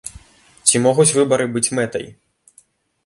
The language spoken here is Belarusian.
Ці могуць выбары быць мэтай?